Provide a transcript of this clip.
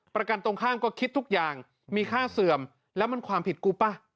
ประกันตรงข้ามก็คิดทุกอย่างมีค่าเสื่อมแล้วมันความผิดกูป่ะ